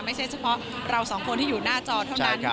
ไม่ใช่เฉพาะเราสองคนที่อยู่หน้าจอเท่านั้น